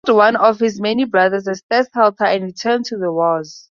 He installed one of his many brothers as Statthalter, and returned to the wars.